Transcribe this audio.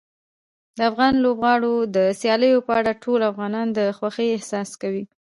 د افغان لوبغاړو د سیالیو په اړه ټول افغانان د خوښۍ احساس کوي.